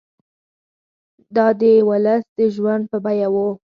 دا د ولس د ژوند په بیه وو.